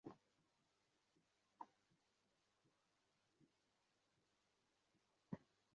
সুদীর্ঘ শুভ্রকায় গোরার আকৃতি আয়তন ও সাজ দেখিয়া সকলেই বিস্মিত হইয়া উঠিল।